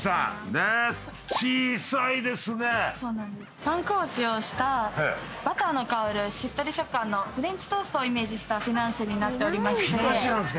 パン粉を使用したバターの香るしっとり食感のフレンチトーストをイメージしたフィナンシェになっておりまして。